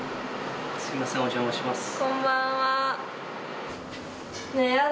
すいませんお邪魔します。